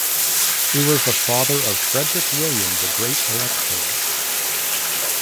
He was the father of Frederick William, the "Great Elector".